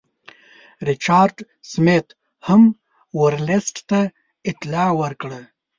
ریچارډ سمیت هم ورلسټ ته اطلاع ورکړه.